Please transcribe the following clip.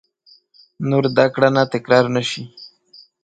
نور دا کړنه تکرار نه شي !